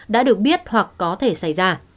đã được biết hoặc có thể xảy ra